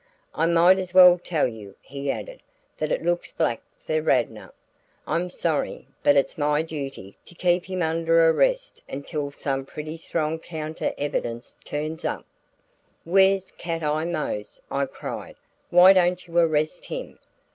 "I might as well tell you," he added, "that it looks black for Radnor. I'm sorry, but it's my duty to keep him under arrest until some pretty strong counter evidence turns up." "Where's Cat Eye Mose?" I cried. "Why don't you arrest him?"